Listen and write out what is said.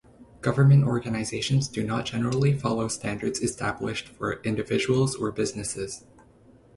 Government organizations do not generally follow standards established for individuals or businesses.